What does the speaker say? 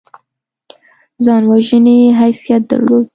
ځان وژنې حیثیت درلود.